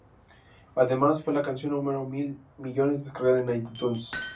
Además, fue la canción número mil millones descargada en iTunes.